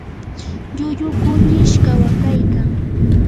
lllullu kunish kawakaykan.